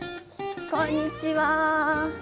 こんにちは。